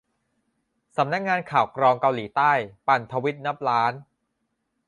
สำนักงานข่าวกรองเกาหลีใต้ ปั่นทวีตนับล้าน